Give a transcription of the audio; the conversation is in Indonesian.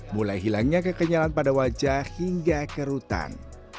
mulai hilangnya kekenyalan pada wajah hingga kerutan